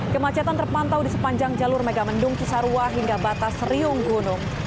kemacetan terpantau di sepanjang jalur megamendung cisarua hingga batas riung gunung